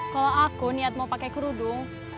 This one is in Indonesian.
kalau aku niat mau pakai kerudung